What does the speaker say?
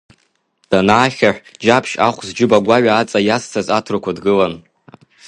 Данаахьаҳә, Џьаԥшь ахә зџьыба гәаҩа аҵа иазцаз аҭырқәа дгылан.